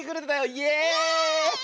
イエーイ！